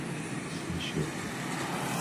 吸血鬼